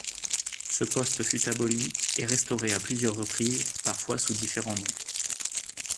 Ce poste fut aboli et restauré à plusieurs reprises, parfois sous différents noms.